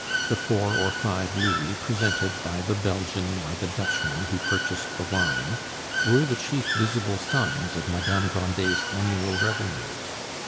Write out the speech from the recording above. The four or five louis presented by the Belgian or the Dutchman who purchased the wine were the chief visible signs of Madame Grandet's annual revenues.